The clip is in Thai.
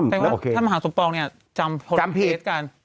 แปลว่าท่านมหาสมปองเนี่ยจำผลผิดกัน